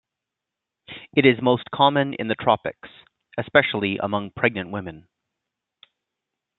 It is most common in the tropics, especially among pregnant women.